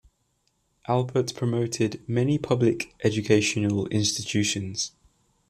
Albert promoted many public educational institutions.